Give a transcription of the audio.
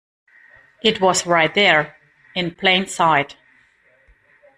It was right there, in plain sight!